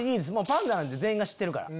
パンダなんて全員が知ってるから。